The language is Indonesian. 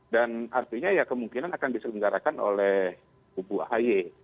dan artinya ya kemungkinan akan diselenggarakan oleh ubu ahy